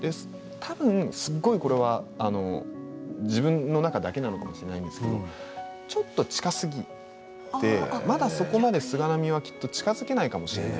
たぶん自分の中だけなのかもしれないですけどちょっと近すぎてまだそこまで菅波は近づけないかもしれない。